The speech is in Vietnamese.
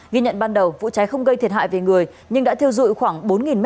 ghi nhận ban đầu vụ cháy không gây thiệt hại về người nhưng đã thiêu dụi khoảng bốn m hai